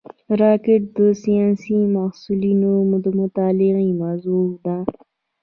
راکټ د ساینسي محصلینو د مطالعې موضوع ده